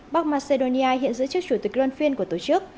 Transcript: bắc macedonia hiện giữ chức chủ tịch luân phiên của tổ chức